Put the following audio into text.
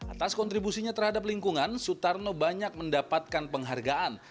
atas kontribusinya terhadap lingkungan sutarno banyak mendapatkan penghargaan